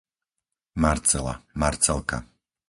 Marcela, Marcelka